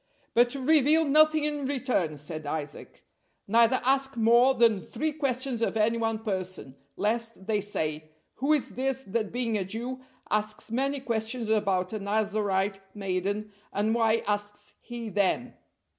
"But reveal nothing in return," said Isaac, "neither ask more than three questions of any one person, lest they say, 'Who is this that being a Jew asks many questions about a Nazarite maiden, and why asks he them?'"